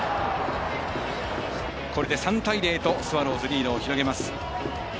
これで３対０とスワローズリードを広げます。